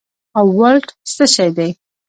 او ولټ څه شي دي